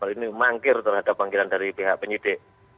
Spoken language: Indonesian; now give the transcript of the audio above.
ini mengangkir terhadap panggilan dari pihak penyidik